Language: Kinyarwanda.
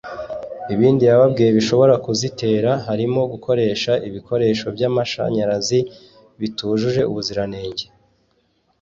Ibindi yababwiye bishobora kuzitera harimo gukoresha ibikoresho by’amashanyarazi bitujuje ubuziranenge